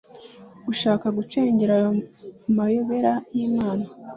gushaka gucengera ayo mayobera yimana